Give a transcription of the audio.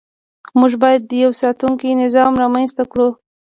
موږ باید یو ساتونکی نظام رامنځته کړو.